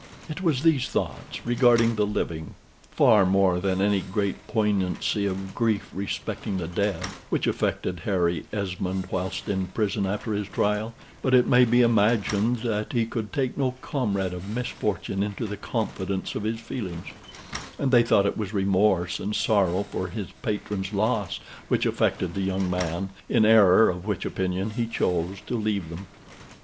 It was these thoughts regarding the living, far more than any great poignancy of grief respecting the dead, which affected Harry Esmond whilst in prison after his trial: but it may be imagined that he could take no comrade of misfortune into the confidence of his feelings, and they thought it was remorse and sorrow for his patron's loss which affected the young man, in error of which opinion he chose to leave them.